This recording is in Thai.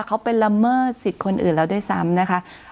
เขาไปละเมิดสิทธิ์คนอื่นแล้วด้วยซ้ำนะคะ